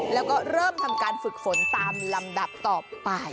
แล้วก็เริ่มทำการฝึกฝนตามลำดับต่อไป